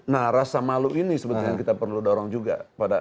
nah rasa malu ini sebetulnya kita perlu dorong juga